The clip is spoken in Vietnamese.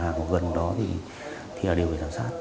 cái xe ở gần đó thì là đều phải giám sát